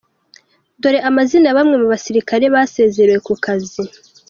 Dore amazina ya bamwe mu basirikare basezerewe ku kazi.